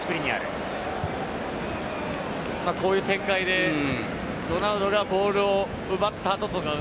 こういう展開でロナウドがボールを奪った後の。